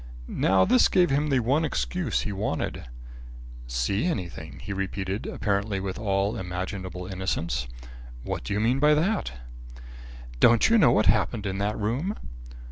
Now this gave him the one excuse he wanted. "See anything?" he repeated, apparently with all imaginable innocence. "What do you mean by that?" "Don't you know what happened in that room?"